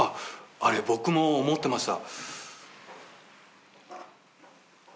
あれ僕も思ってました。